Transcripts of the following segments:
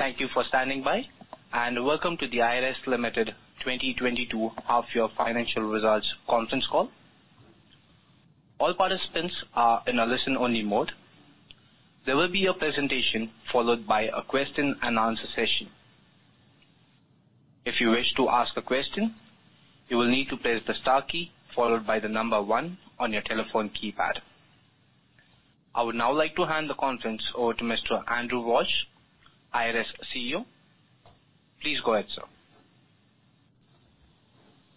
Thank you for standing by, and welcome to the Iress Limited 2022 Half-Year Financial Results Conference Call. All participants are in a listen-only mode. There will be a presentation followed by a question-and-answer session. If you wish to ask a question, you will need to press the star key followed by the number one on your telephone keypad. I would now like to hand the conference over to Mr. Andrew Walsh, Iress CEO. Please go ahead, sir.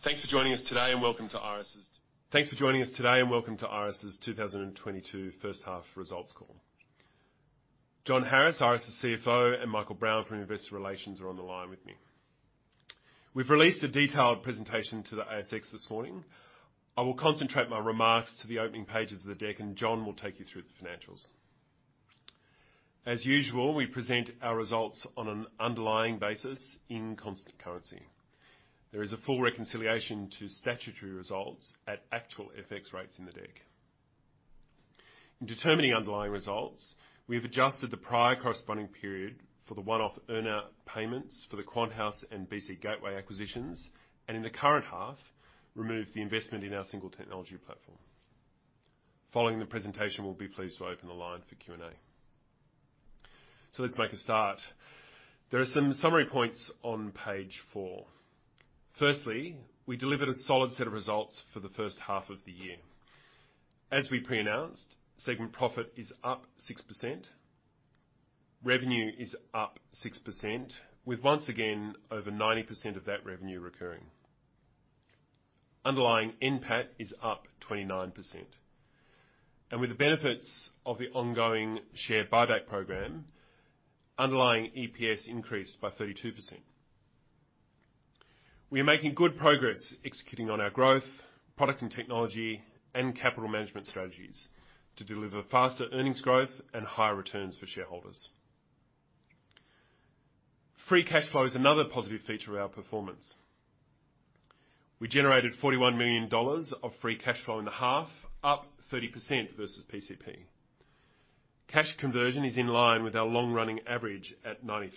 Thanks for joining us today, and welcome to Iress's 2022 First Half Results Call. John Harris, Iress's CFO, and Michael Blomfield from Investor Relations are on the line with me. We've released a detailed presentation to the ASX this morning. I will concentrate my remarks to the opening pages of the deck, and John will take you through the financials. As usual, we present our results on an underlying basis in constant currency. There is a full reconciliation to statutory results at actual FX rates in the deck. In determining underlying results, we have adjusted the prior corresponding period for the one-off earnout payments for the QuantHouse and BC GATEWAYS acquisitions, and in the current half, removed the investment in our single technology platform. Following the presentation, we'll be pleased to open the line for Q&A. Let's make a start. There are some summary points on page four. Firstly, we delivered a solid set of results for the first half of the year. As we pre-announced, segment profit is up 6%. Revenue is up 6%, with once again over 90% of that revenue recurring. Underlying NPAT is up 29%. With the benefits of the ongoing share buyback program, underlying EPS increased by 32%. We are making good progress executing on our growth, product and technology, and capital management strategies to deliver faster earnings growth and higher returns for shareholders. Free cash flow is another positive feature of our performance. We generated 41 million dollars of free cash flow in the half, up 30% versus PCP. Cash conversion is in line with our long-running average at 93%.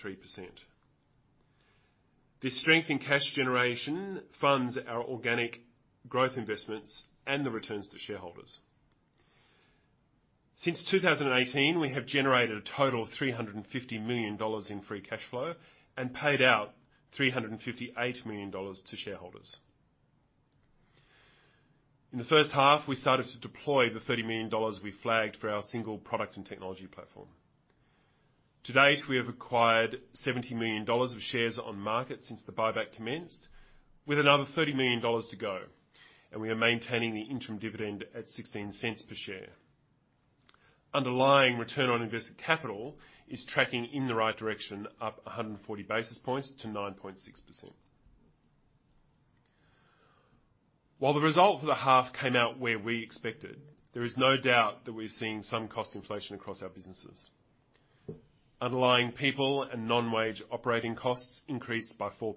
This strength in cash generation funds our organic growth investments and the returns to shareholders. Since 2018, we have generated a total of 350 million dollars in free cash flow and paid out 358 million dollars to shareholders. In the first half, we started to deploy the 30 million dollars we flagged for our single product and technology platform. To date, we have acquired 70 million dollars of shares on market since the buyback commenced, with another 30 million dollars to go, and we are maintaining the interim dividend at 0.16 per share. Underlying return on invested capital is tracking in the right direction, up 140 basis points to 9.6%. While the result for the half came out where we expected, there is no doubt that we're seeing some cost inflation across our businesses. Underlying people and non-wage operating costs increased by 4%.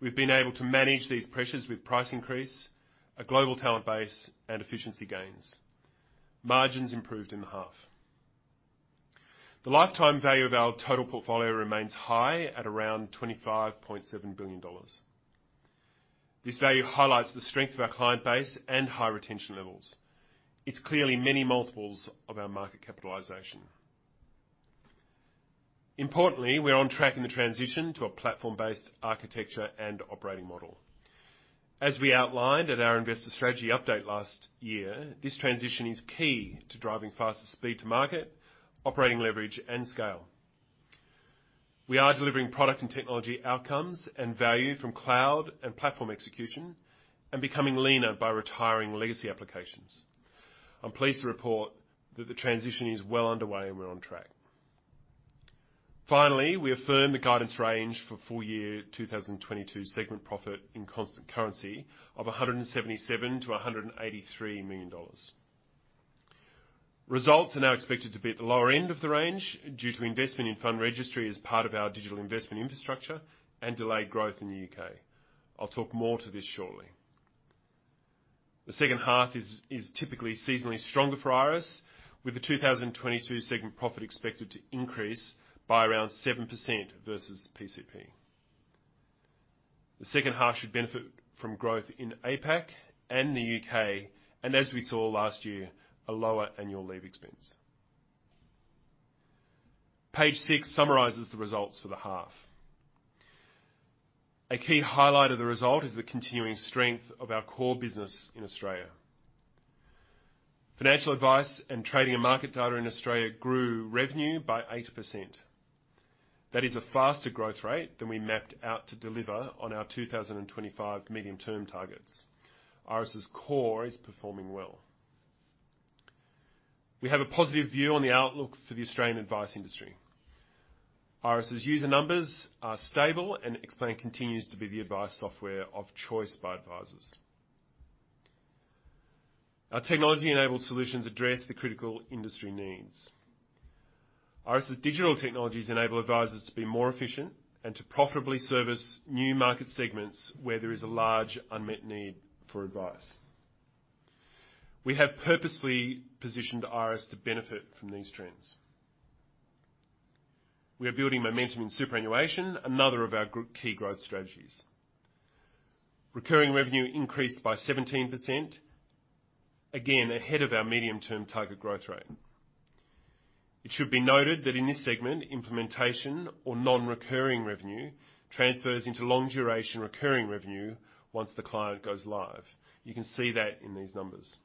We've been able to manage these pressures with price increase, a global talent base, and efficiency gains. Margins improved in the half. The lifetime value of our total portfolio remains high at around 25.7 billion dollars. This value highlights the strength of our client base and high retention levels. It's clearly many multiples of our market capitalization. Importantly, we're on track in the transition to a platform-based architecture and operating model. As we outlined at our investor strategy update last year, this transition is key to driving faster speed to market, operating leverage, and scale. We are delivering product and technology outcomes and value from cloud and platform execution and becoming leaner by retiring legacy applications. I'm pleased to report that the transition is well underway, and we're on track. Finally, we affirm the guidance range for full-year 2022 segment profit in constant currency of 177 million-183 million dollars. Results are now expected to be at the lower end of the range due to investment in fund registry as part of our digital investment infrastructure and delayed growth in the UK. I'll talk more to this shortly. The second half is typically seasonally stronger for Iress, with the 2022 segment profit expected to increase by around 7% versus PCP. The second half should benefit from growth in APAC and the UK and, as we saw last year, a lower annual leave expense. Page 6 summarises the results for the half. A key highlight of the result is the continuing strength of our core business in Australia. Financial Advice and Trading and Market Data in Australia grew revenue by 8%. That is a faster growth rate than we mapped out to deliver on our 2025 medium-term targets. Iress's core is performing well. We have a positive view on the outlook for the Australian advice industry. Iress's user numbers are stable and Xplan continues to be the advice software of choice by advisors. Our technology-enabled solutions address the critical industry needs. Iress's digital technologies enable advisors to be more efficient and to profitably service new market segments where there is a large unmet need for advice. We have purposefully positioned Iress to benefit from these trends. We are building momentum in superannuation, another of our key growth strategies. Recurring revenue increased by 17%, again ahead of our medium-term target growth rate. It should be noted that in this segment, implementation or non-recurring revenue transfers into long-duration recurring revenue once the client goes live. You can see that in these numbers.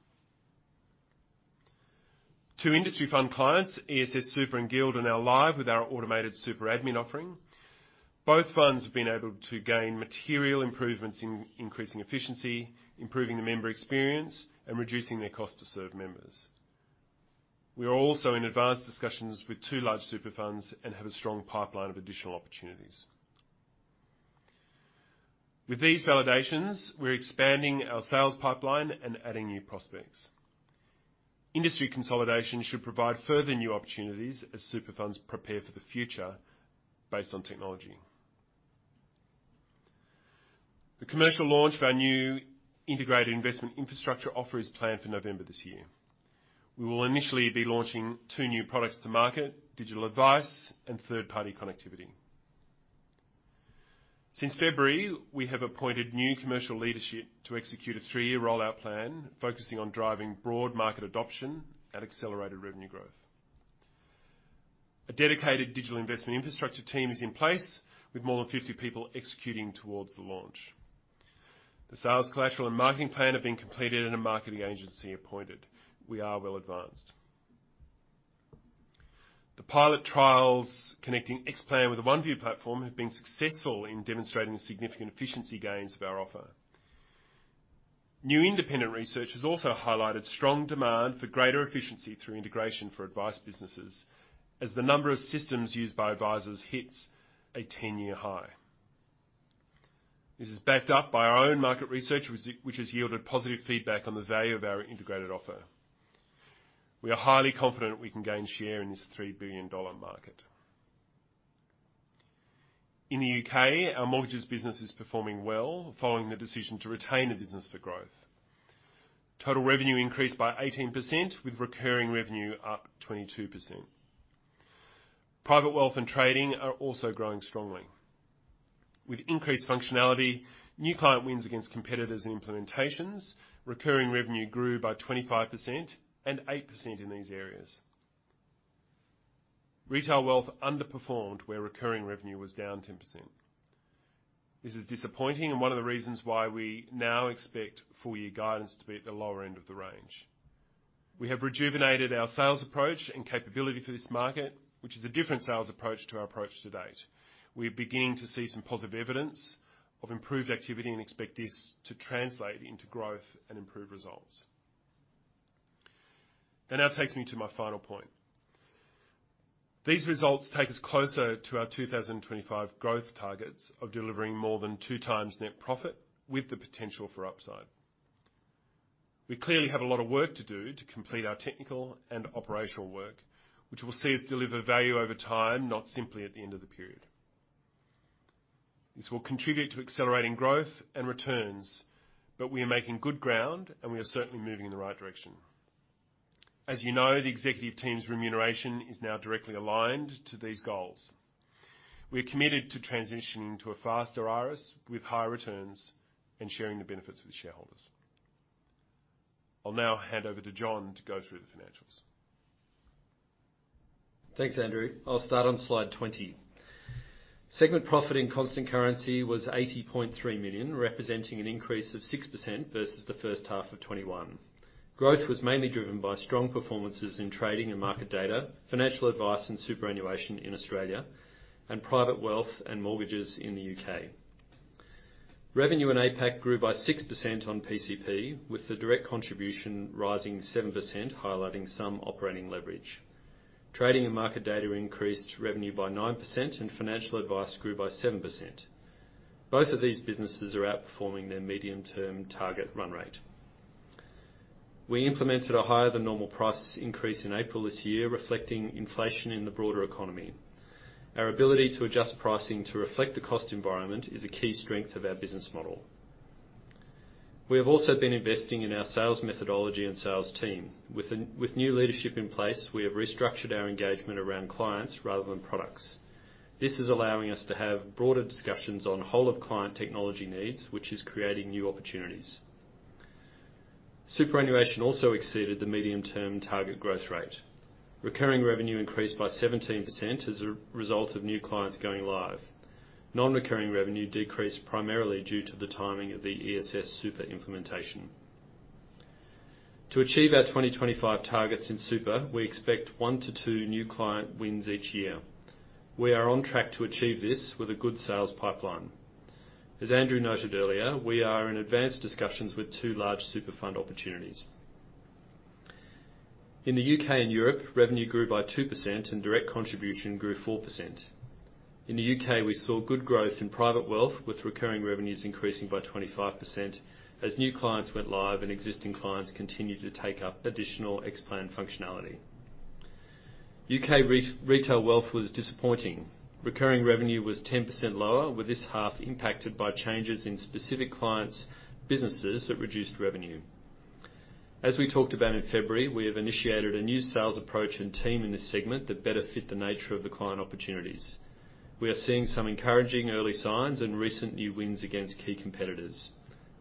Two industry fund clients, ESSSuper and GuildSuper, are now live with our automated super admin offering. Both funds have been able to gain material improvements in increasing efficiency, improving the member experience, and reducing their cost to serve members. We are also in advanced discussions with two large super funds and have a strong pipeline of additional opportunities. With these validations, we're expanding our sales pipeline and adding new prospects. Industry consolidation should provide further new opportunities as super funds prepare for the future based on technology. The commercial launch of our new integrated investment infrastructure offer is planned for November this year. We will initially be launching two new products to market, digital advice and third-party connectivity. Since February, we have appointed new commercial leadership to execute a three-year rollout plan focusing on driving broad market adoption and accelerated revenue growth. A dedicated digital investment infrastructure team is in place, with more than 50 people executing towards the launch. The sales collateral and marketing plan have been completed, and a marketing agency appointed. We are well advanced. The pilot trials connecting Xplan with a OneVue platform have been successful in demonstrating significant efficiency gains of our offer. New independent research has also highlighted strong demand for greater efficiency through integration for advice businesses as the number of systems used by advisors hits a 10-year high. This is backed up by our own market research, which has yielded positive feedback on the value of our integrated offer. We are highly confident we can gain share in this 3 billion dollar market. In the UK, our mortgages business is performing well following the decision to retain the business for growth. Total revenue increased by 18%, with recurring revenue up 22%. Private wealth and trading are also growing strongly. With increased functionality, new client wins against competitors in implementations, recurring revenue grew by 25% and 8% in these areas. Retail wealth underperformed, where recurring revenue was down 10%. This is disappointing and one of the reasons why we now expect full-year guidance to be at the lower end of the range. We have rejuvenated our sales approach and capability for this market, which is a different sales approach to our approach to date. We're beginning to see some positive evidence of improved activity and expect this to translate into growth and improved results. That now takes me to my final point. These results take us closer to our 2025 growth targets of delivering more than 2x net profit, with the potential for upside. We clearly have a lot of work to do to complete our technical and operational work, which will see us deliver value over time, not simply at the end of the period. This will contribute to accelerating growth and returns, but we are making good ground, and we are certainly moving in the right direction. As you know, the executive team's remuneration is now directly aligned to these goals. We are committed to transitioning to a faster Iress with higher returns and sharing the benefits with shareholders. I'll now hand over to John Harris to go through the financials. Thanks, Andrew. I'll start on slide 20. Segment profit in constant currency was 80.3 million, representing an increase of 6% versus the first half of 2021. Growth was mainly driven by strong performances in Trading and Market Data, financial advice and superannuation in Australia, and private wealth and mortgages in the UK. Revenue in APAC grew by 6% on PCP, with the direct contribution rising 7%, highlighting some operating leverage. Trading and Market Data increased revenue by 9%, and financial advice grew by 7%. Both of these businesses are outperforming their medium-term target run rate. We implemented a higher-than-normal price increase in April this year, reflecting inflation in the broader economy. Our ability to adjust pricing to reflect the cost environment is a key strength of our business model. We have also been investing in our sales methodology and sales team. With new leadership in place, we have restructured our engagement around clients rather than products. This is allowing us to have broader discussions on whole-of-client technology needs, which is creating new opportunities. Superannuation also exceeded the medium-term target growth rate. Recurring revenue increased by 17% as a result of new clients going live. Non-recurring revenue decreased primarily due to the timing of the ESSSuper implementation. To achieve our 2025 targets in Super, we expect 1-2 new client wins each year. We are on track to achieve this with a good sales pipeline. As Andrew noted earlier, we are in advanced discussions with two large super fund opportunities. In the UK and Europe, revenue grew by 2%, and direct contribution grew 4%. In the UK, we saw good growth in private wealth, with recurring revenues increasing by 25% as new clients went live and existing clients continued to take up additional Xplan functionality. UK retail wealth was disappointing. Recurring revenue was 10% lower, with this half impacted by changes in specific clients' businesses that reduced revenue. As we talked about in February, we have initiated a new sales approach and team in this segment that better fit the nature of the client opportunities. We are seeing some encouraging early signs and recent new wins against key competitors.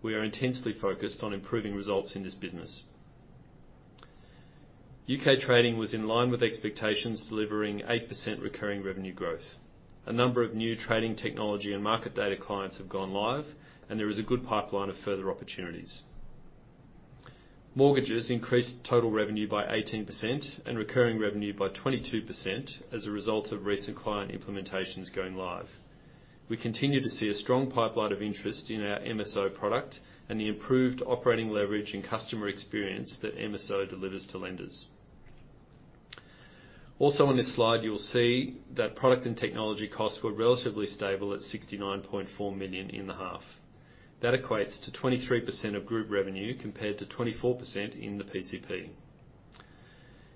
We are intensely focused on improving results in this business. UK trading was in line with expectations, delivering 8% recurring revenue growth. A number of new trading technology and market data clients have gone live, and there is a good pipeline of further opportunities. Mortgages increased total revenue by 18% and recurring revenue by 22% as a result of recent client implementations going live. We continue to see a strong pipeline of interest in our MSO product and the improved operating leverage and customer experience that MSO delivers to lenders. Also, on this slide, you'll see that product and technology costs were relatively stable at 69.4 million in the half. That equates to 23% of group revenue compared to 24% in the PCP.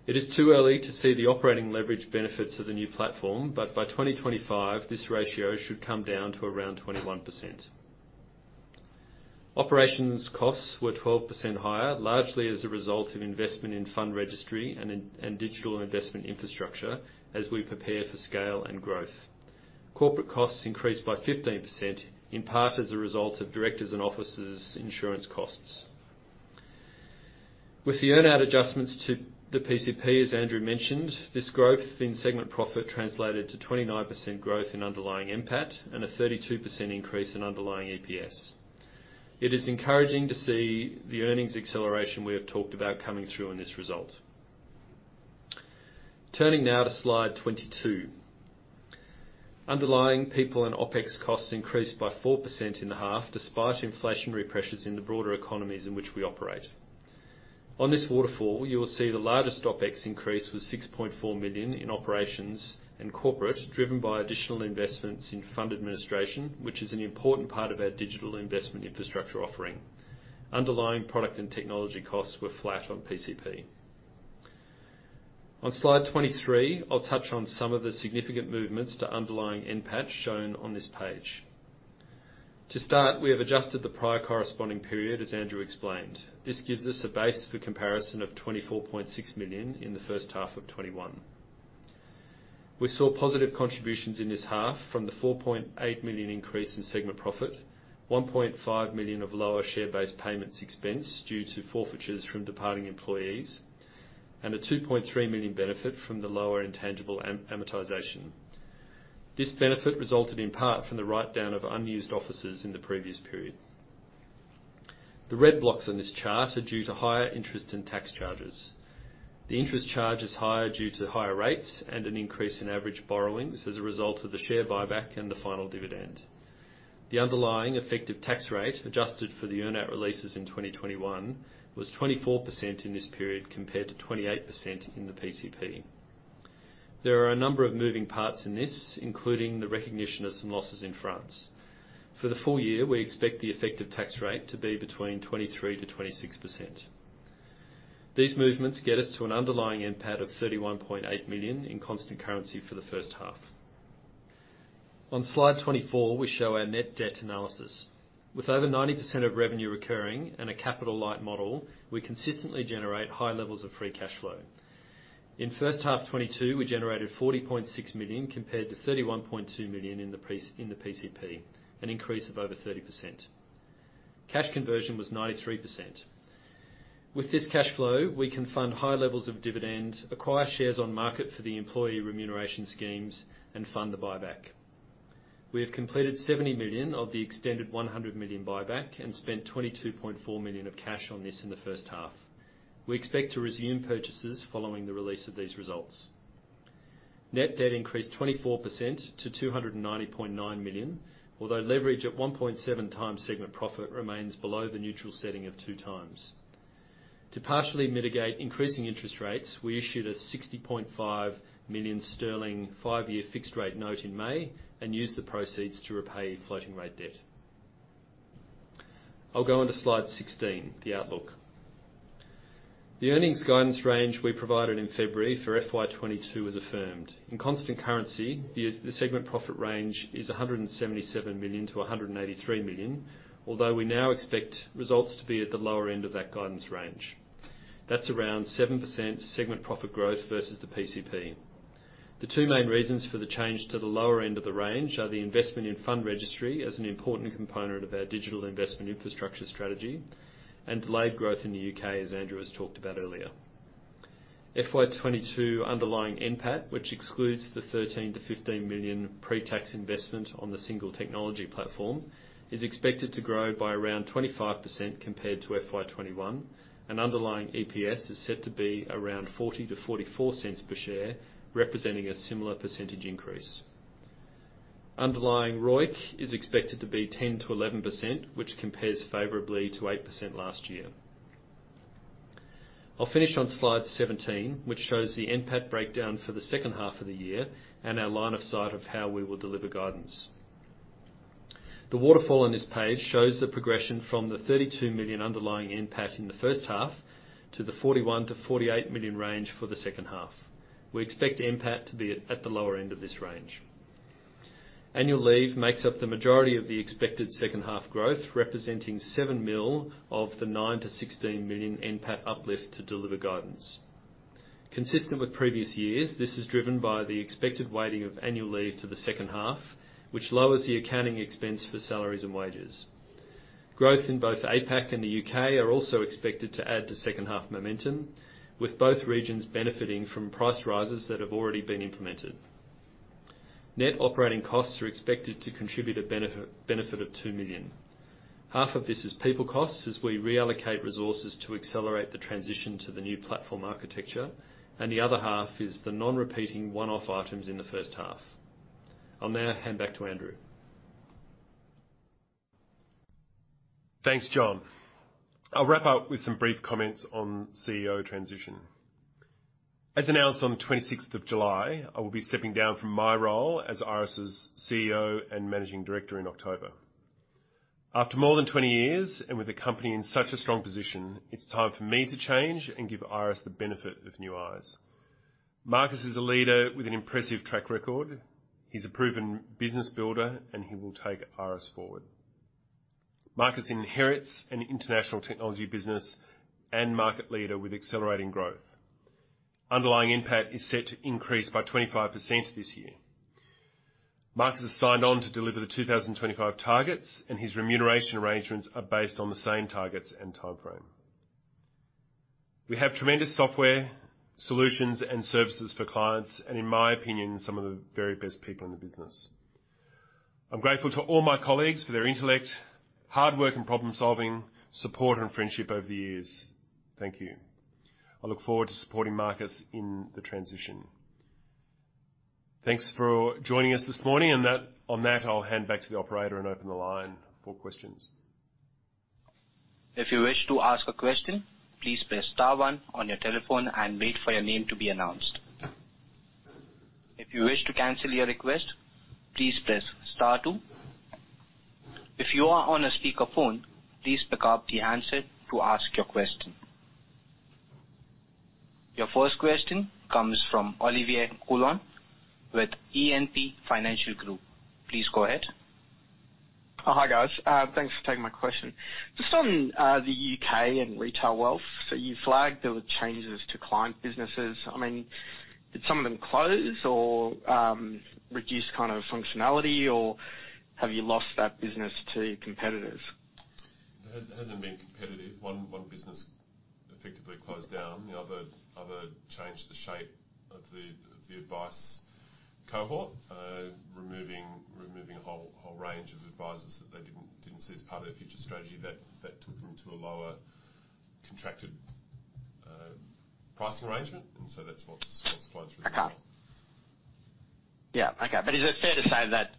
It is too early to see the operating leverage benefits of the new platform, but by 2025, this ratio should come down to around 21%. Operations costs were 12% higher, largely as a result of investment in fund registry and digital investment infrastructure as we prepare for scale and growth. Corporate costs increased by 15%, in part as a result of directors and officers' insurance costs. With the earnout adjustments to the PCP, as Andrew mentioned, this growth in segment profit translated to 29% growth in underlying NPAT and a 32% increase in underlying EPS. It is encouraging to see the earnings acceleration we have talked about coming through in this result. Turning now to slide 22. Underlying people and OPEX costs increased by 4% in the half despite inflationary pressures in the broader economies in which we operate. On this waterfall, you'll see the largest OPEX increase was 6.4 million in operations and corporate, driven by additional investments in fund administration, which is an important part of our digital investment infrastructure offering. Underlying product and technology costs were flat on PCP. On slide 23, I'll touch on some of the significant movements to underlying NPAT shown on this page. To start, we have adjusted the prior corresponding period, as Andrew explained. This gives us a base for comparison of 24.6 million in the first half of 2021. We saw positive contributions in this half from the 4.8 million increase in segment profit, 1.5 million of lower share-based payments expense due to forfeitures from departing employees, and a 2.3 million benefit from the lower intangible amortization. This benefit resulted in part from the write-down of unused offices in the previous period. The red blocks on this chart are due to higher interest and tax charges. The interest charge is higher due to higher rates and an increase in average borrowings as a result of the share buyback and the final dividend. The underlying effective tax rate adjusted for the earnout releases in 2021 was 24% in this period compared to 28% in the PCP. There are a number of moving parts in this, including the recognition of some losses in France. For the full year, we expect the effective tax rate to be between 23%-26%. These movements get us to an underlying NPAT of 31.8 million in constant currency for the first half. On slide 24, we show our net debt analysis. With over 90% of revenue recurring and a capital light model, we consistently generate high levels of free cash flow. In first half 2022, we generated 40.6 million compared to 31.2 million in the PCP, an increase of over 30%. Cash conversion was 93%. With this cash flow, we can fund high levels of dividend, acquire shares on market for the employee remuneration schemes, and fund the buyback. We have completed 70 million of the extended 100 million buyback and spent 22.4 million of cash on this in the first half. We expect to resume purchases following the release of these results. Net debt increased 24% to 290.9 million, although leverage at 1.7 times segment profit remains below the neutral setting of 2 times. To partially mitigate increasing interest rates, we issued a 60.5 million sterling five-year fixed-rate note in May and used the proceeds to repay floating-rate debt. I'll go on to slide 16, the outlook. The earnings guidance range we provided in February for FY22 was affirmed. In constant currency, the segment profit range is 177 million-183 million, although we now expect results to be at the lower end of that guidance range. That's around 7% segment profit growth versus the PCP. The two main reasons for the change to the lower end of the range are the investment in fund registry as an important component of our digital investment infrastructure strategy and delayed growth in the UK, as Andrew has talked about earlier. FY22 underlying NPAT, which excludes the 13 million-15 million pre-tax investment on the single technology platform, is expected to grow by around 25% compared to FY21, and underlying EPS is set to be around 0.40-0.44 per share, representing a similar percentage increase. Underlying ROIC is expected to be 10%-11%, which compares favorably to 8% last year. I'll finish on slide 17, which shows the NPAT breakdown for the second half of the year and our line of sight of how we will deliver guidance. The waterfall on this page shows the progression from the 32 million underlying NPAT in the first half to the 41 million-48 million range for the second half. We expect NPAT to be at the lower end of this range. Annual leave makes up the majority of the expected second half growth, representing 7 million of the 9 million-16 million NPAT uplift to deliver guidance. Consistent with previous years, this is driven by the expected weighting of annual leave to the second half, which lowers the accounting expense for salaries and wages. Growth in both APAC and the UK are also expected to add to second half momentum, with both regions benefiting from price rises that have already been implemented. Net operating costs are expected to contribute a benefit of 2 million. Half of this is people costs as we reallocate resources to accelerate the transition to the new platform architecture, and the other half is the non-repeating one-off items in the first half. I'll now hand back to Andrew. Thanks, John. I'll wrap up with some brief comments on CEO transition. As announced on the 26th of July, I will be stepping down from my role as Iress's CEO and managing director in October. After more than 20 years and with the company in such a strong position, it's time for me to change and give Iress the benefit of new eyes. Marcus is a leader with an impressive track record. He's a proven business builder, and he will take Iress forward. Marcus inherits an international technology business and market leader with accelerating growth. Underlying NPAT is set to increase by 25% this year. Marcus has signed on to deliver the 2025 targets, and his remuneration arrangements are based on the same targets and timeframe. We have tremendous software solutions and services for clients and, in my opinion, some of the very best people in the business. I'm grateful to all my colleagues for their intellect, hard work in problem-solving, support, and friendship over the years. Thank you. I look forward to supporting Marcus in the transition. Thanks for joining us this morning, and on that, I'll hand back to the operator and open the line for questions. If you wish to ask a question, please press star one on your telephone and wait for your name to be announced. If you wish to cancel your request, please press star two. If you are on a speakerphone, please pick up the handset to ask your question. Your first question comes from Olivier Coulon with E&P Financial Group. Please go ahead. Hi, guys. Thanks for taking my question. Just on the UK and retail wealth, so you flagged there were changes to client businesses. I mean, did some of them close or reduce kind of functionality, or have you lost that business to competitors? It hasn't been competitive. One business effectively closed down. The other changed the shape of the advice cohort, removing a whole range of advisors that they didn't see as part of their future strategy. That took them to a lower contracted pricing arrangement, and so that's what's flowing through the channel. Okay. Yeah. Okay. Is it fair to say that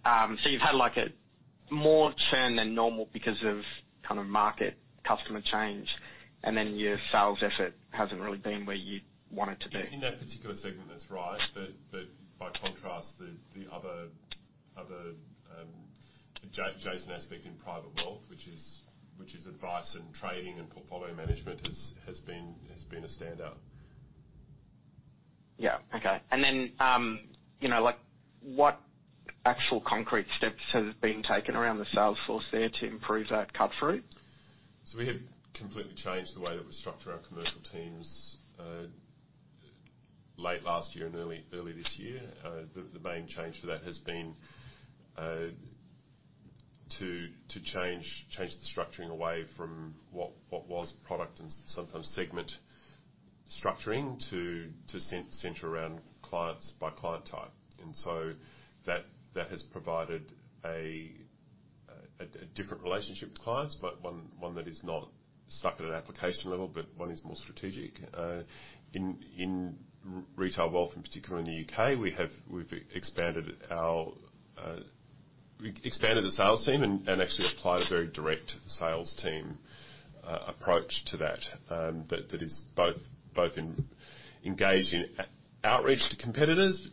so you've had a more turn than normal because of kind of market customer change, and then your sales effort hasn't really been where you want it to be? In that particular segment, that's right. By contrast, the other Xplan aspect in private wealth, which is advice and trading and portfolio management, has been a standout. Yeah. Okay. What actual concrete steps have been taken around the sales force there to improve that cut through? We have completely changed the way that we structure our commercial teams late last year and early this year. The main change for that has been to change the structuring away from what was product and sometimes segment structuring to center around clients by client type. That has provided a different relationship with clients, but one that is not stuck at an application level, but one is more strategic. In retail wealth, in particular in the UK, we've expanded the sales team and actually applied a very direct sales team approach to that that is both engaged in outreach to competitors,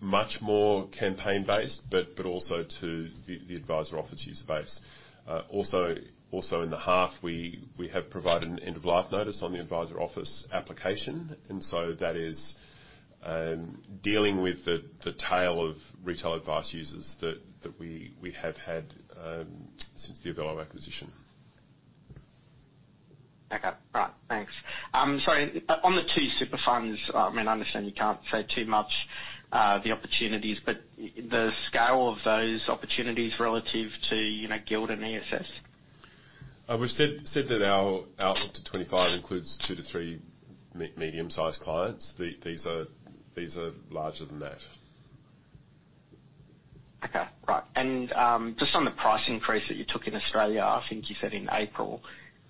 much more campaign-based, but also to the Adviser Office user base. Also, in the half, we have provided an end-of-life notice on the Adviser Office application, and so that is dealing with the tail of retail advice users that we have had since the Avelo acquisition. Okay. All right. Thanks. Sorry, on the two super funds, I mean, I understand you can't say too much, the opportunities, but the scale of those opportunities relative to Guild and ESS? We've said that our outlook to 2025 includes 2-3 medium-sized clients. These are larger than that. Okay. Right. Just on the price increase that you took in Australia, I think you said in April,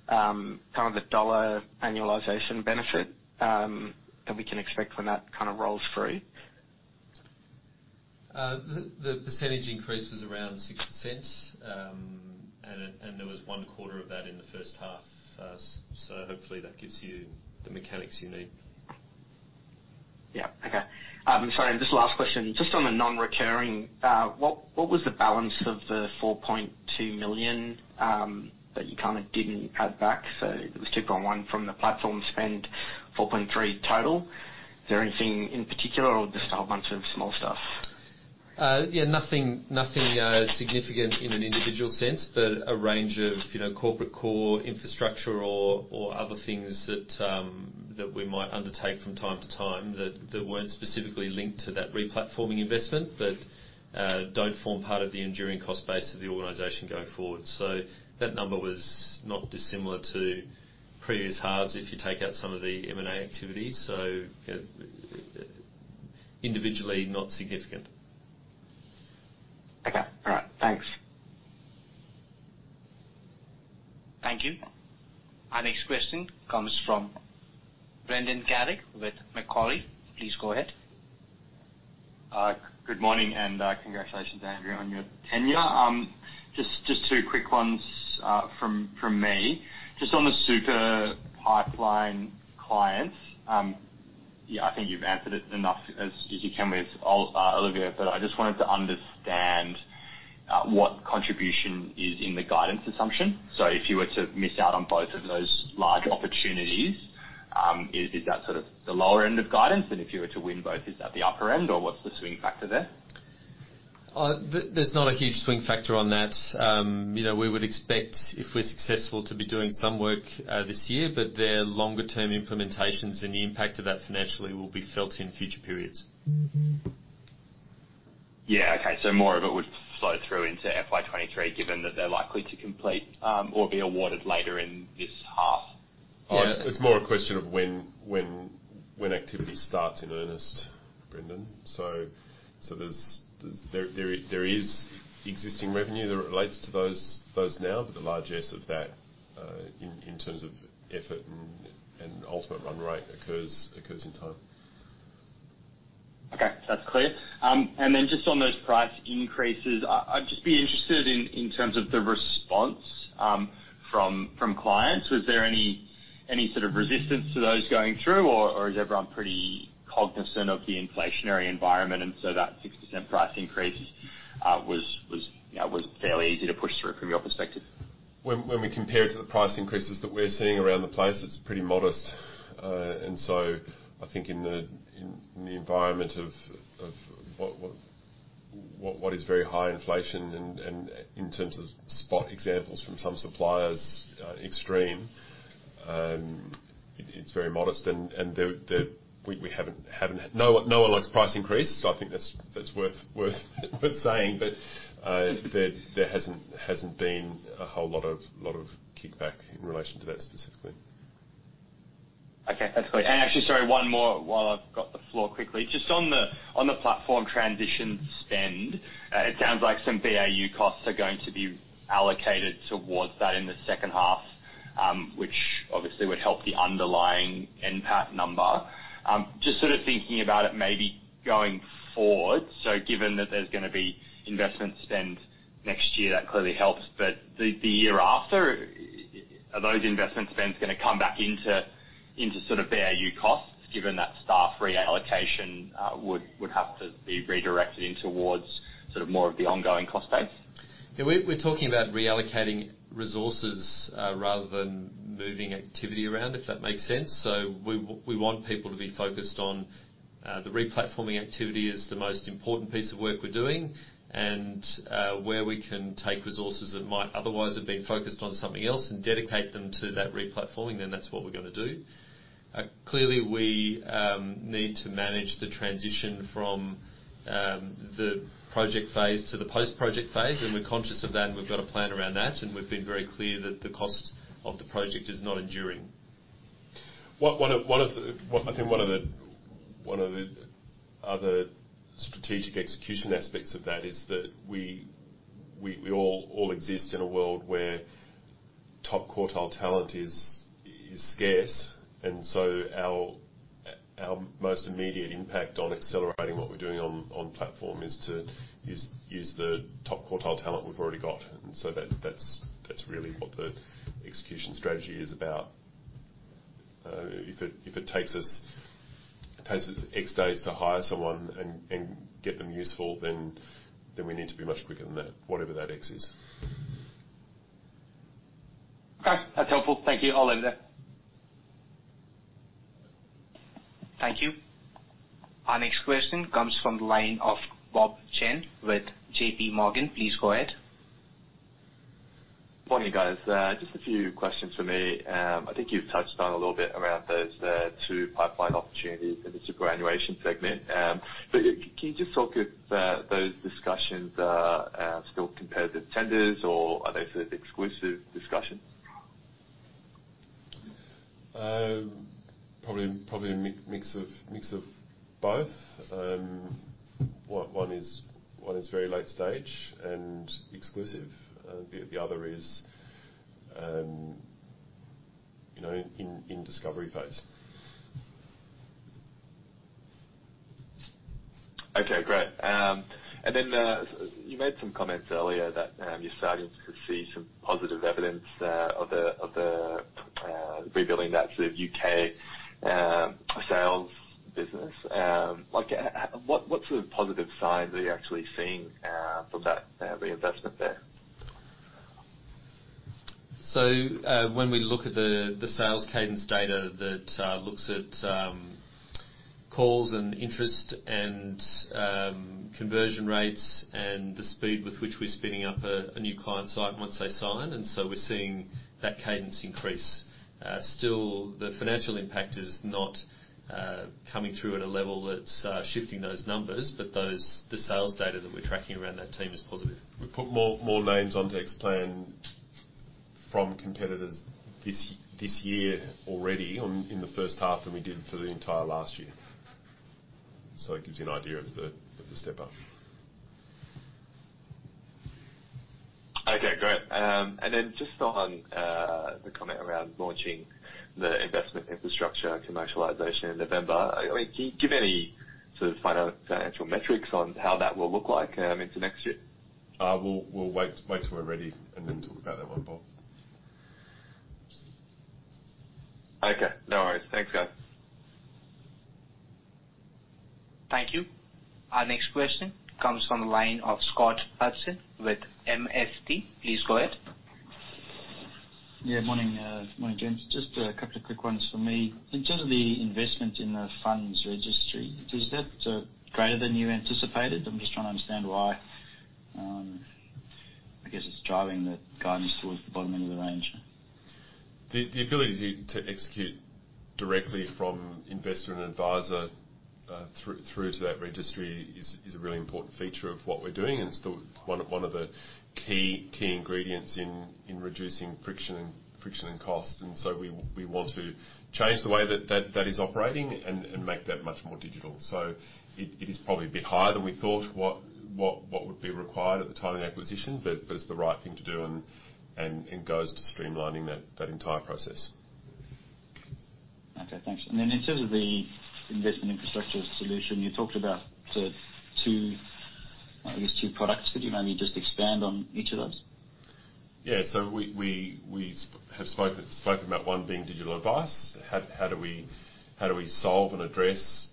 kind of the dollar annualization benefit that we can expect when that kind of rolls through? The percentage increase was around 6%, and there was one-quarter of that in the first half. Hopefully, that gives you the mechanics you need. Yeah. Okay. Sorry, just last question. Just on the non-recurring, what was the balance of the 4.2 million that you kind of didn't add back? It was 2.1 million from the platform spend, 4.3 million total. Is there anything in particular, or just a whole bunch of small stuff? Yeah, nothing significant in an individual sense, but a range of corporate core infrastructure or other things that we might undertake from time to time that weren't specifically linked to that replatforming investment but don't form part of the enduring cost base of the organization going forward. That number was not dissimilar to previous halves if you take out some of the M&A activities. Individually, not significant. Okay. All right. Thanks. Thank you. Our next question comes from Brendan Carrig with Macquarie. Please go ahead. Good morning, and congratulations, Andrew, on your tenure. Just two quick ones from me. Just on the super pipeline clients, yeah, I think you've answered it enough as you can with Olivier, but I just wanted to understand what contribution is in the guidance assumption. So if you were to miss out on both of those large opportunities, is that sort of the lower end of guidance? If you were to win both, is that the upper end, or what's the swing factor there? There's not a huge swing factor on that. We would expect, if we're successful, to be doing some work this year, but their longer-term implementations and the impact of that financially will be felt in future periods. Yeah. Okay. More of it would flow through into FY23 given that they're likely to complete or be awarded later in this half? Yeah. It's more a question of when activity starts in earnest, Brendan. There is existing revenue that relates to those now, but the lion's share of that in terms of effort and ultimate run rate occurs over time. Okay. That's clear. Just on those price increases, I'd just be interested in terms of the response from clients. Was there any sort of resistance to those going through, or is everyone pretty cognizant of the inflationary environment and so that 6% price increase was fairly easy to push through from your perspective? When we compare it to the price increases that we're seeing around the place, it's pretty modest. I think in the environment of what is very high inflation and in terms of spot examples from some suppliers, extreme, it's very modest. No one likes price increase, so I think that's worth saying, but there hasn't been a whole lot of kickback in relation to that specifically. Okay. That's clear. Actually, sorry, one more while I've got the floor quickly. Just on the platform transition spend, it sounds like some BAU costs are going to be allocated towards that in the second half, which obviously would help the underlying NPAT number. Just sort of thinking about it maybe going forward, so given that there's going to be investment spend next year, that clearly helps. The year after, are those investment spends going to come back into sort of BAU costs given that staff reallocation would have to be redirected in towards sort of more of the ongoing cost base? Yeah. We're talking about reallocating resources rather than moving activity around, if that makes sense. We want people to be focused on the replatforming activity as the most important piece of work we're doing, and where we can take resources that might otherwise have been focused on something else and dedicate them to that replatforming, then that's what we're going to do. Clearly, we need to manage the transition from the project phase to the post-project phase, and we're conscious of that, and we've got a plan around that. We've been very clear that the cost of the project is not enduring. I think one of the other strategic execution aspects of that is that we all exist in a world where top quartile talent is scarce, and so our most immediate impact on accelerating what we're doing on platform is to use the top quartile talent we've already got. That's really what the execution strategy is about. If it takes us X days to hire someone and get them useful, then we need to be much quicker than that, whatever that X is. Okay. That's helpful. Thank you. I'll leave it there. Thank you. Our next question comes from the line of Bob Chen with J.P. Morgan. Please go ahead. Morning, guys. Just a few questions for me. I think you've touched on a little bit around those two pipeline opportunities in the superannuation segment. Can you just talk if those discussions are still competitive tenders, or are they sort of exclusive discussions? Probably a mix of both. One is very late-stage and exclusive. The other is in discovery phase. Okay. Great. You made some comments earlier that you're starting to see some positive evidence of the rebuilding, that sort of UK sales business. What sort of positive signs are you actually seeing from that reinvestment there? When we look at the sales cadence data that looks at calls and interest and conversion rates and the speed with which we're spinning up a new client site once they sign, and so we're seeing that cadence increase. Still, the financial impact is not coming through at a level that's shifting those numbers, but the sales data that we're tracking around that team is positive. We've put more names onto Xplan from competitors this year already in the first half than we did for the entire last year. It gives you an idea of the step-up. Okay. Great. Just on the comment around launching the investment infrastructure commercialization in November, I mean, can you give any sort of financial metrics on how that will look like into next year? We'll wait till we're ready and then talk about that one, Bob. Okay. No worries. Thanks, guys. Thank you. Our next question comes from the line of Scott Hudson with MST. Please go ahead. Yeah. Morning, James. Just a couple of quick ones from me. In terms of the investment in the fund registry, is that greater than you anticipated? I'm just trying to understand why I guess it's driving the guidance towards the bottom end of the range. The ability to execute directly from investor and advisor through to that registry is a really important feature of what we're doing, and it's one of the key ingredients in reducing friction and cost. We want to change the way that that is operating and make that much more digital. It is probably a bit higher than we thought what would be required at the time of the acquisition, but it's the right thing to do and goes to streamlining that entire process. Okay. Thanks. In terms of the investment infrastructure solution, you talked about, I guess, two products. Could you maybe just expand on each of those? Yeah. We have spoken about one being digital advice. How do we solve and address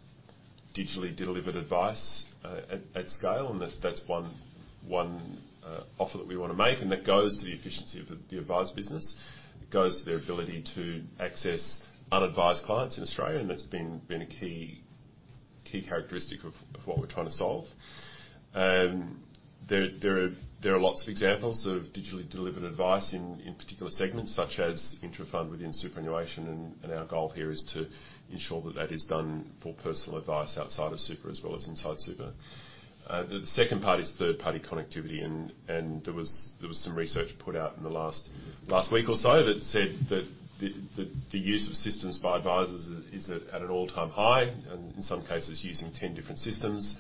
digitally delivered advice at scale? That's one offer that we want to make, and that goes to the efficiency of the advice business. It goes to their ability to access unadvised clients in Australia, and that's been a key characteristic of what we're trying to solve. There are lots of examples of digitally delivered advice in particular segments such as intra-fund within superannuation, and our goal here is to ensure that that is done for personal advice outside of super as well as inside super. The second part is third-party connectivity, and there was some research put out in the last week or so that said that the use of systems by advisors is at an all-time high, and in some cases, using 10 different systems.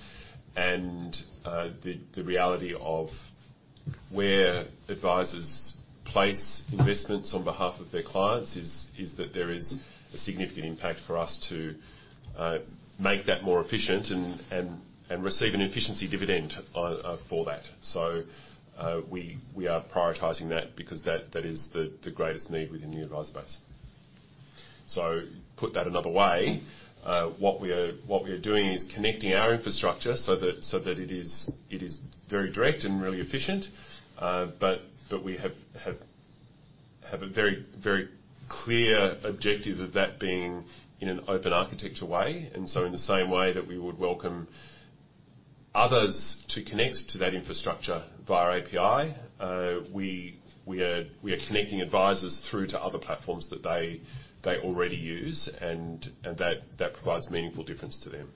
The reality of where advisors place investments on behalf of their clients is that there is a significant impact for us to make that more efficient and receive an efficiency dividend for that. We are prioritizing that because that is the greatest need within the advice base. Put that another way, what we are doing is connecting our infrastructure so that it is very direct and really efficient, but we have a very clear objective of that being in an open architecture way. In the same way that we would welcome others to connect to that infrastructure via API, we are connecting advisors through to other platforms that they already use, and that provides meaningful difference to them.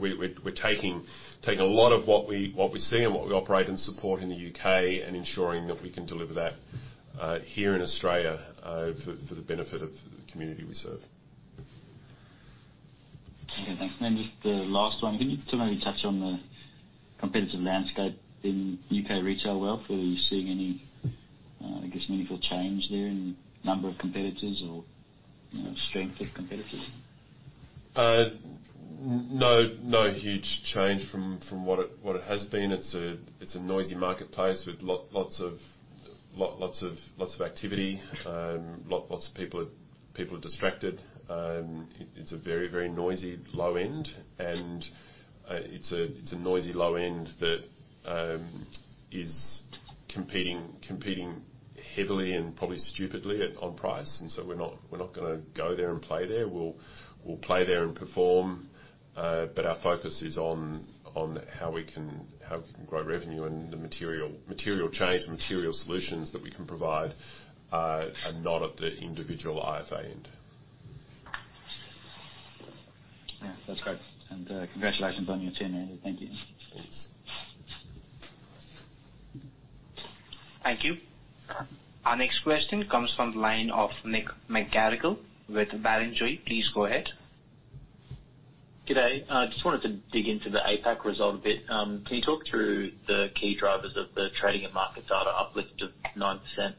We're taking a lot of what we see and what we operate and support in the UK and ensuring that we can deliver that here in Australia for the benefit of the community we serve. Okay. Thanks. Just the last one. Can you sort of maybe touch on the competitive landscape in U.K. retail wealth? Are you seeing any, I guess, meaningful change there in number of competitors or strength of competitors? No huge change from what it has been. It's a noisy marketplace with lots of activity. Lots of people are distracted. It's a very, very noisy low-end, and it's a noisy low-end that is competing heavily and probably stupidly on price. We're not going to go there and play there. We'll play there and perform, but our focus is on how we can grow revenue, and the material change and material solutions that we can provide are not at the individual IFA end. Yeah. That's great. Congratulations on your tenure, Andrew. Thank you. Thanks. Thank you. Our next question comes from the line of Nick McGarrigle with Barrenjoey. Please go ahead. G'day. I just wanted to dig into the APAC result a bit. Can you talk through the key drivers of the Trading and Market Data uplift of 9%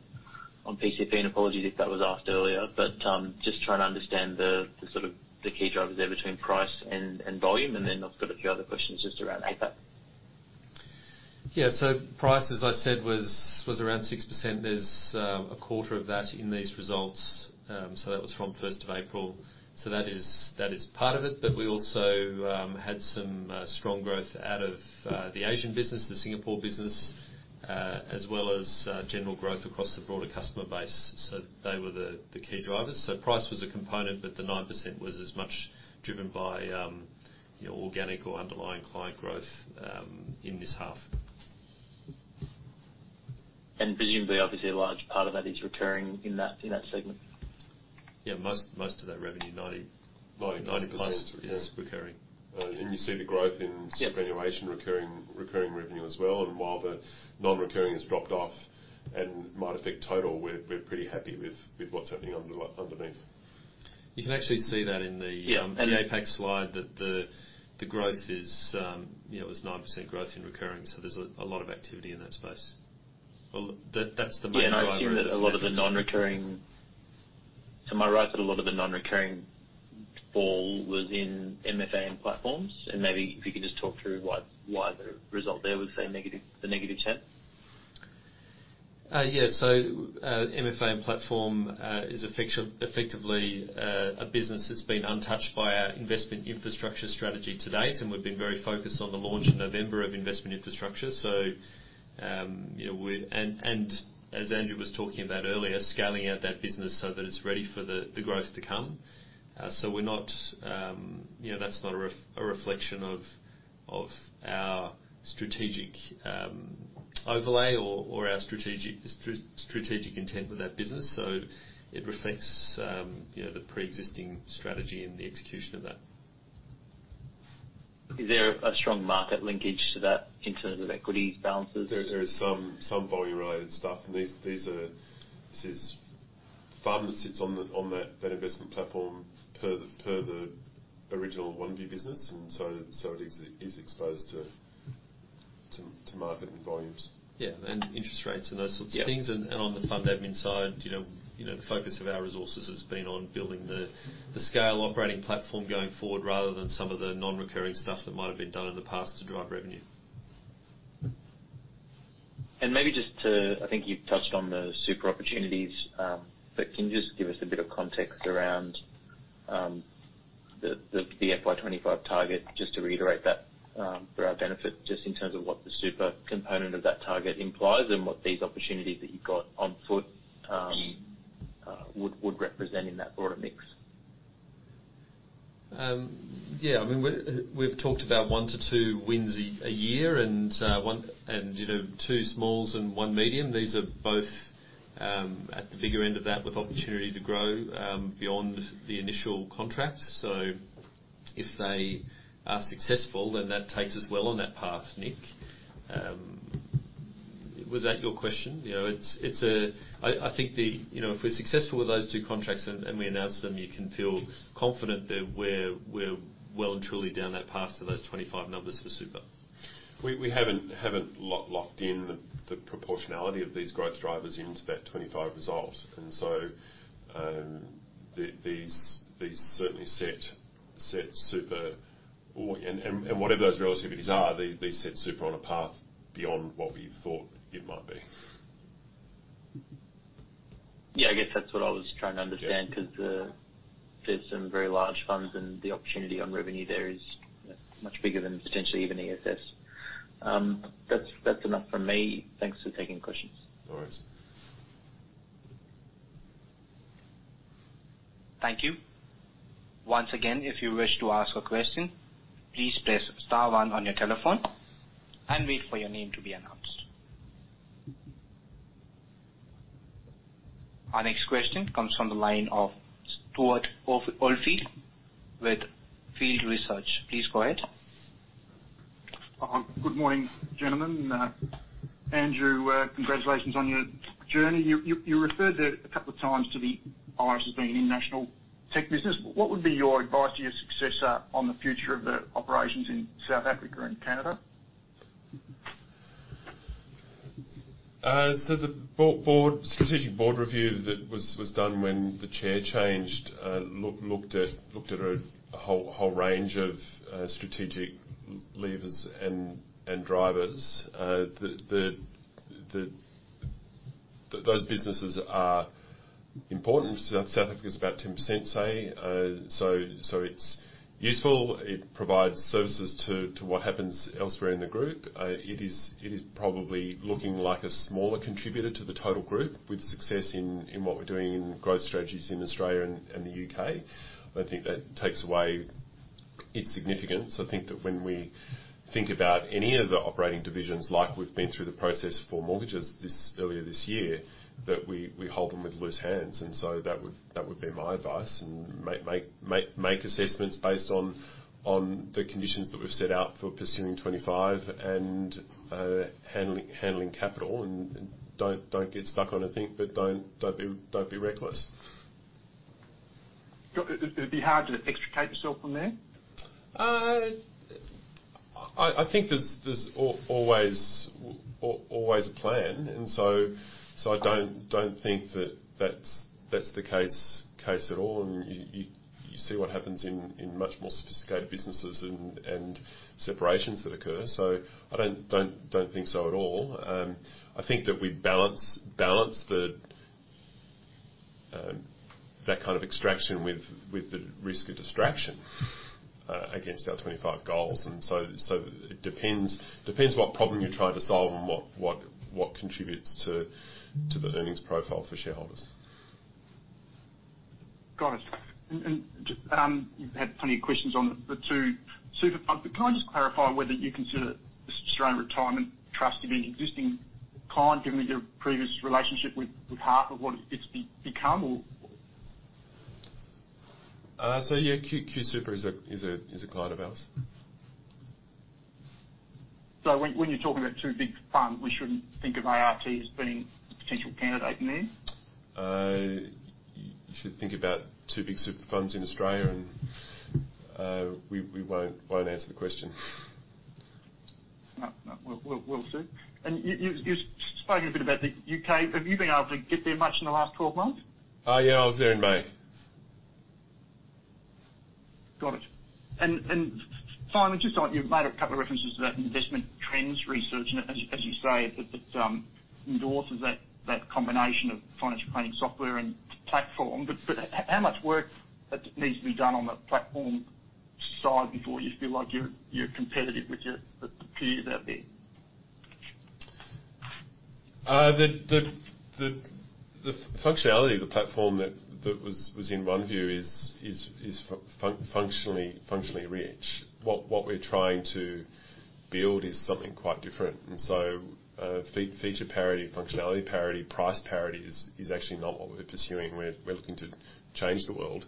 on PCP? Apologies if that was asked earlier, but just trying to understand the sort of key drivers there between price and volume. I've got a few other questions just around APAC. Yeah. Price, as I said, was around 6%. There's a quarter of that in these results, so that was from 1st of April. That is part of it, but we also had some strong growth out of the Asian business, the Singapore business, as well as general growth across the broader customer base. They were the key drivers. Price was a component, but the 9% was as much driven by organic or underlying client growth in this half. Presumably, obviously, a large part of that is recurring in that segment? Yeah. Most of that revenue, 90%+, is recurring. You see the growth in superannuation, recurring revenue as well. While the non-recurring has dropped off and might affect total, we're pretty happy with what's happening underneath. You can actually see that in the APAC slide, that the growth is 9% growth in recurring. There's a lot of activity in that space. That's the main driver. Yeah. I think that a lot of the non-recurring, am I right, fall was in MFA and platforms? Maybe if you could just talk through why the result there was the -10%. Yeah. MFA and platform is effectively a business that's been untouched by our investment infrastructure strategy to date, and we've been very focused on the launch in November of investment infrastructure. As Andrew was talking about earlier, scaling out that business so that it's ready for the growth to come. That's not a reflection of our strategic overlay or our strategic intent with that business. It reflects the pre-existing strategy and the execution of that. Is there a strong market linkage to that in terms of equities balances? There is some volume-related stuff, and this is fund that sits on that investment platform per the original OneVue business, and so it is exposed to market and volumes. Yeah. Interest rates and those sorts of things. On the fund admin side, the focus of our resources has been on building the scale operating platform going forward rather than some of the non-recurring stuff that might have been done in the past to drive revenue. Maybe just to I think you've touched on the super opportunities, but can you just give us a bit of context around the FY25 target? Just to reiterate that for our benefit, just in terms of what the super component of that target implies and what these opportunities that you've got on foot would represent in that broader mix. Yeah. I mean, we've talked about one to two wins a year and two small and one medium. These are both at the bigger end of that with opportunity to grow beyond the initial contract. If they are successful, then that takes us well on that path, Nick. Was that your question? I think if we're successful with those two contracts and we announce them, you can feel confident that we're well and truly down that path to those 25 numbers for super. We haven't locked in the proportionality of these growth drivers into that 25 result, and so these certainly set super and whatever those relativities are, these set super on a path beyond what we thought it might be. Yeah. I guess that's what I was trying to understand because there's some very large funds, and the opportunity on revenue there is much bigger than potentially even ESS. That's enough from me. Thanks for taking questions. No worries. Thank you. Once again, if you wish to ask a question, please press star one on your telephone and wait for your name to be announced. Our next question comes from the line of Stuart Ulph with Fidelity Research. Please go ahead. Good morning, gentlemen. Andrew, congratulations on your journey. You referred there a couple of times to the Iress as being an international tech business. What would be your advice to your successor on the future of the operations in South Africa and Canada? The strategic board review that was done when the chair changed looked at a whole range of strategic levers and drivers. Those businesses are important. South Africa's about 10%, say. It's useful. It provides services to what happens elsewhere in the group. It is probably looking like a smaller contributor to the total group with success in what we're doing in growth strategies in Australia and the U.K. I think that takes away its significance. I think that when we think about any of the operating divisions, like we've been through the process for mortgages earlier this year, that we hold them with loose hands. That would be my advice. Make assessments based on the conditions that we've set out for pursuing 25 and handling capital. Don't get stuck on a thing, but don't be reckless. It'd be hard to extricate yourself from there? I think there's always a plan, and so I don't think that that's the case at all. You see what happens in much more sophisticated businesses and separations that occur. I don't think so at all. I think that we balance that kind of extraction with the risk of distraction against our 25 goals. It depends what problem you're trying to solve and what contributes to the earnings profile for shareholders. Garnish, you've had plenty of questions on the two super funds, but can I just clarify whether you consider Australian Retirement Trust to be an existing client given your previous relationship with part of what it's become, or? QSuper is a client of ours. When you're talking about two big funds, we shouldn't think of ART as being a potential candidate in there? You should think about two big super funds in Australia, and we won't answer the question. Nope. Nope. We'll see. You've spoken a bit about the UK. Have you been able to get there much in the last 12 months? Yeah. I was there in May. Got it. Finally, just on you've made a couple of references to that Investment Trends research, and as you say, it endorses that combination of financial planning software and platform. How much work needs to be done on the platform side before you feel like you're competitive with the peers out there? The functionality of the platform that was in OneVue is functionally rich. What we're trying to build is something quite different. Feature parity, functionality parity, price parity is actually not what we're pursuing. We're looking to change the world,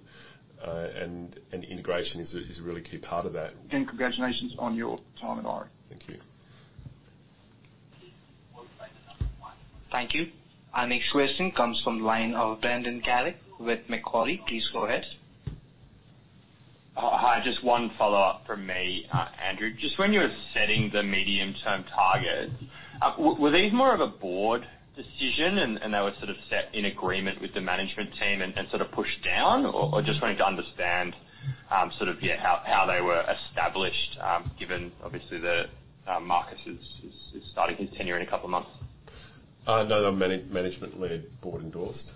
and integration is a really key part of that. Congratulations on your time at Iress. Thank you. Thank you. Our next question comes from the line of Brendan Carrig with Macquarie. Please go ahead. Hi. Just one follow-up from me, Andrew. Just when you were setting the medium-term targets, were these more of a board decision, and they were sort of set in agreement with the management team and sort of pushed down, or just wanting to understand sort of, yeah, how they were established given, obviously, that Marcus is starting his tenure in a couple of months? No. Management-led board endorsed.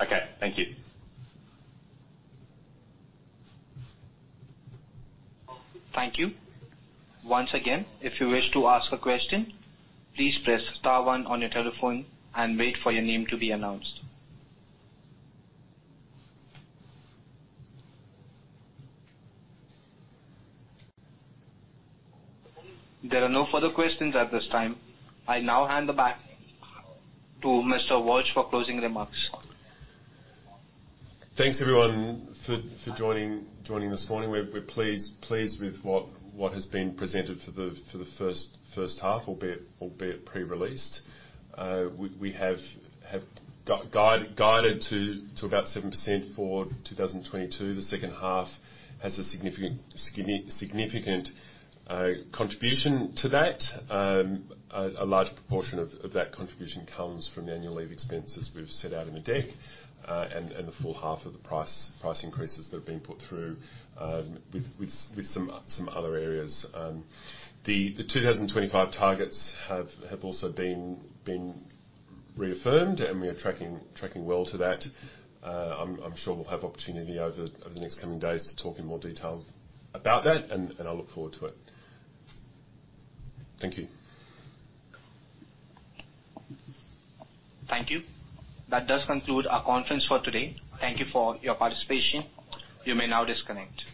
Okay. Thank you. Thank you. Once again, if you wish to ask a question, please press star one on your telephone and wait for your name to be announced. There are no further questions at this time. I now hand back to Mr. Walsh for closing remarks. Thanks, everyone, for joining this morning. We're pleased with what has been presented for the first half, albeit pre-released. We have guided to about 7% for 2022. The second half has a significant contribution to that. A large proportion of that contribution comes from the annual leave expenses we've set out in the deck and the full half of the price increases that have been put through with some other areas. The 2025 targets have also been reaffirmed, and we are tracking well to that. I'm sure we'll have opportunity over the next coming days to talk in more detail about that, and I look forward to it. Thank you. Thank you. That does conclude our conference for today. Thank you for your participation. You may now disconnect.